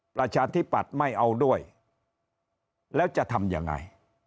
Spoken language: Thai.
ประชาธิปัตย์ไม่เอาด้วยแล้วจะทำยังไง